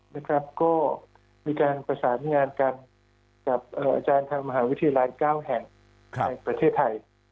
ก็จะมีการประสานงานกับอาจารย์ธรรมมหาวิทยาลัย๙แห่งในประเทศไทย